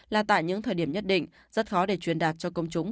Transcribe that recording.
là tại những thời điểm nhất định rất khó để truyền đạt cho công chúng